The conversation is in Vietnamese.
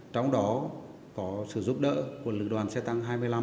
trong đó có sự giúp đỡ của lực đoàn xe tăng hai mươi năm